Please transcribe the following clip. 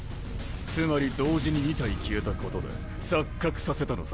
つまり同時に２体消えたことで錯覚させたのさ。